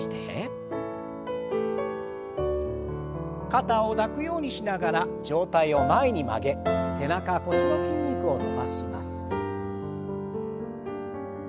肩を抱くようにしながら上体を前に曲げ背中腰の筋肉を伸ばします。